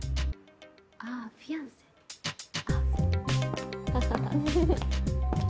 ああフィアンセハハハ。